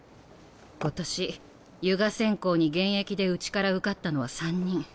今年油画専攻に現役でうちから受かったのは３人。